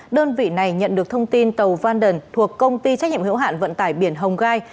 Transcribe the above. đơn vị này nhận được thông tin tàu vanden thuộc công ty trách nhiệm hữu hạn vận tải biển hồng gai